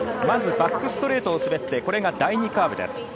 まずバックストレートを滑って、これが第２カーブです。